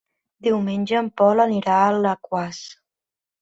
Diumenge en Pol anirà a Alaquàs.